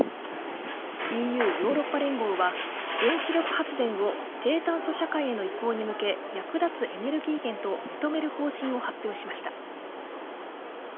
ＥＵ＝ヨーロッパ連合は原子力発電を低炭素社会への移行に向け役立つエネルギー源と認める方針を発表しました。